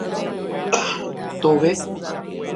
¡Tove!